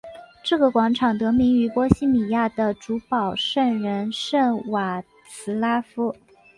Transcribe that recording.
这个广场得名于波希米亚的主保圣人圣瓦茨拉夫。